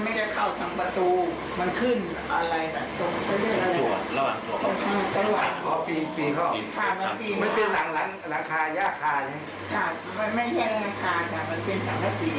มันลูกโกงเห็ดทุกชั่วนะ